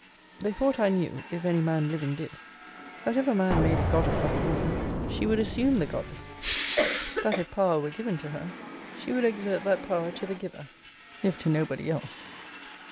They thought I knew, if any man living did, that if a man made a goddess of a woman, she would assume the goddess; that if power were given to her, she would exert that power to the giver, if to nobody else.